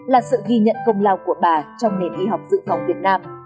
là sự ghi nhận công lao của bà trong nền y học dự phòng việt nam